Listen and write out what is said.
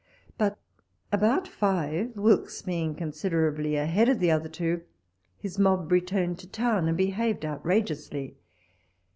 * But, about five, Wilkes, being considerably ahead of the other two, his mob returned to town and behaved out rageously.